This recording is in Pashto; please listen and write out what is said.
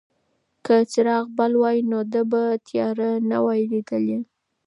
که څراغ بل وای نو ده به تیاره نه وای لیدلې.